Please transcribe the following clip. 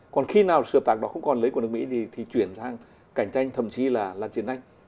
còn khi nào sự hợp tác đó không còn lý của nước mỹ thì chuyển sang cạnh tranh thậm chí là chiến tranh